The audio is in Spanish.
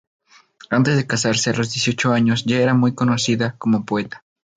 Antes de casarse a los dieciocho años, ya era muy conocida como poeta.